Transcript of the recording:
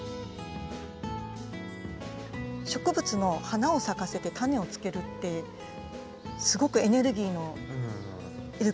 植物の花を咲かせてタネをつけるってすごくエネルギーの要ることでしょ。